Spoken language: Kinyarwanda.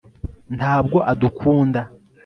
ntabwo adukunda